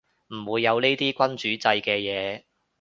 唔會有呢啲君主制嘅嘢